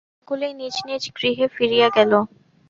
সকলেই নিজ নিজ গৃহে ফিরিয়া গেল।